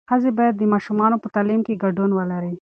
ښځې باید د ماشومانو په تعلیم کې ګډون ولري.